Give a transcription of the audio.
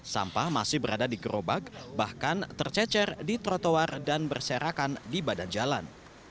sampah masih berada di gerobak bahkan tercecer di trotoar dan berserakan di badan jalan